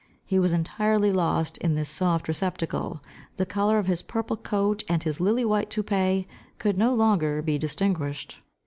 He was entirely lost in this soft receptacle. The colour of his purple coat, and his lily white toupèe, could no longer be distinguished.